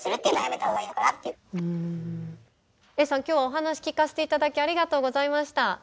今日はお話聞かせていただきありがとうございました。